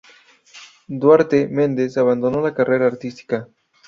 Duarte Mendes abandonó la carrera artística.